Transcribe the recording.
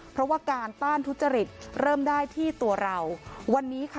เพราะว่าการต้านทุจริตเริ่มได้ที่ตัวเราวันนี้ค่ะ